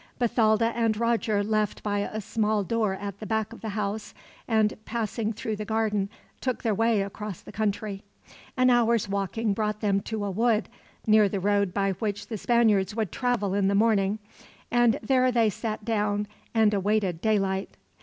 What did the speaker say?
Bathalda and Roger left by a small door at the back of the house and, passing through the garden, took their way across the country. An hour's walking brought them to a wood, near the road by which the Spaniards would travel in the morning, and there they sat down and awaited daylight.